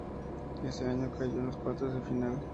Ese año cayó en cuartos de final.